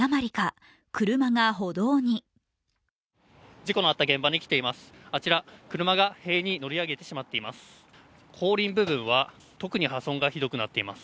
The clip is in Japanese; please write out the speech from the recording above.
事故のあった現場に来ています。